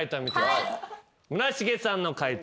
村重さんの解答